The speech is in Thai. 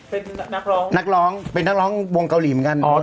เป็นนักร้องเต้นนักร้องวงเกาหลีเหมือนกัน